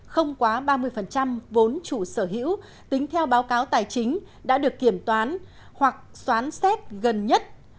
không quá ba mươi vốn chủ sở hữu tính theo báo cáo tài chính đã được kiểm toán hoặc xoán xếp gần nhất